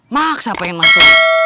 maksa pengen masuk